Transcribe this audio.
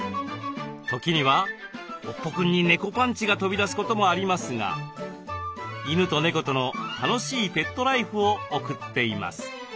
時にはおっぽくんに猫パンチが飛び出すこともありますが犬と猫との楽しいペットライフを送っています。